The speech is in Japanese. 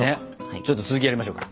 ちょっと続きをやりましょうか。